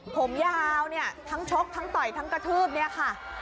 ผมยาวเนี่ยทั้งชกทั้งต่อยทั้งกระทืบเนี่ยค่ะ